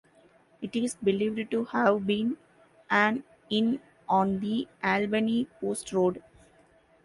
It is believed to have been an inn on the Albany Post Road.